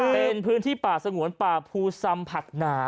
เป็นพื้นที่ป่าสงวนป่าภูซำผักหนา